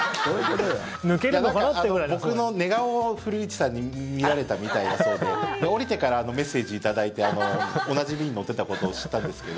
僕の寝顔を古市さんに見られたみたいだそうで降りてからメッセージ頂いて同じ便に乗ってたことを知ったんですけど。